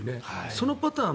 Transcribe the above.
そのパターン